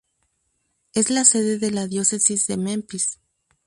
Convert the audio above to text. Es la sede de la Diócesis de Memphis.